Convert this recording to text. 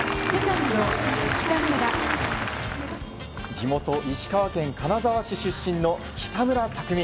地元・石川県金沢市出身の北村拓己。